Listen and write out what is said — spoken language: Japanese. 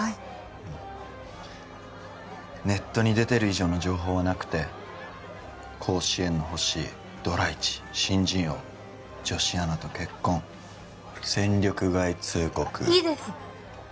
うんネットに出てる以上の情報はなくて甲子園の星ドラ一新人王女子アナと結婚戦力外通告いいです